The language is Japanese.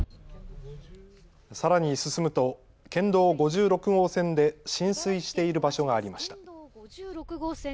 さらに進むと県道５６号線で浸水している場所がありました。